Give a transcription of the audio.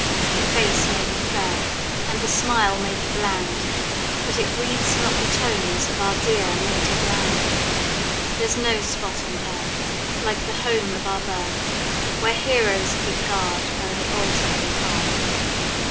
The face may be fair, and the smile may be bland, But it breathes not the tones of our dear native land. There's no spot on earth Like the home of our birth, Where heroes keep guard o'er the altar and hearth.